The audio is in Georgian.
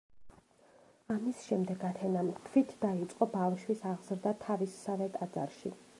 ამის შემდეგ ათენამ თვით დაიწყო ბავშვის აღზრდა თავისსავე ტაძარში.